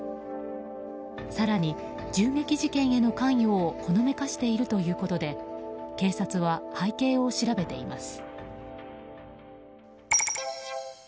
更に、銃撃事件への関与をほのめかしているということで警察は背景を調べています。